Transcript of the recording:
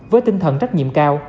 với tinh thần trách nhiệm cao